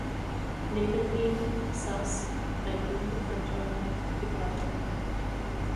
Neben ihm saß ein unbekannter Begleiter.